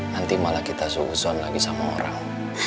nanti malah kita suguh suhan lagi sama orang